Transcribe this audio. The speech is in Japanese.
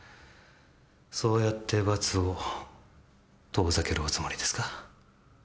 そうやって罰を遠ざけるおつもりですか？